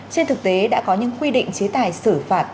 trên thực tế đã có những quy định chế tài xử phạt